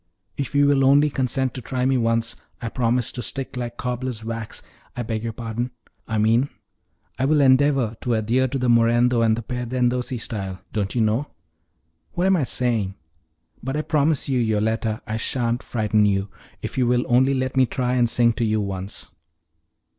If you will only consent to try me once I promise to stick like cobbler's wax I beg your pardon, I mean I will endeavor to adhere to the morendo and perdendosi style don't you know? What am I saying! But I promise you, Yoletta, I shan't frighten you, if you will only let me try and sing to you once."